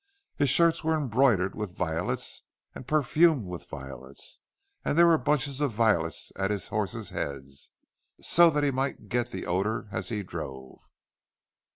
His shirts were embroidered with violets and perfumed with violets—and there were bunches of violets at his horses' heads, so that he might get the odour as he drove!